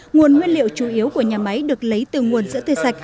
nguồn nguyên liệu chủ yếu của nhà máy được lấy từ nguồn sữa tươi sạch